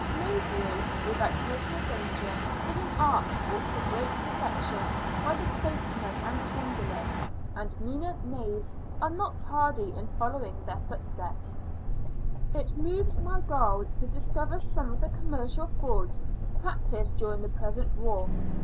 Knavery without personal danger is an art brought to great perfection by the statesman and swindler; and meaner knaves are not tardy in following their footsteps. It moves my gall to discover some of the commercial frauds practised during the present war.